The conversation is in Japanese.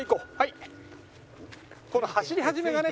この走り始めがね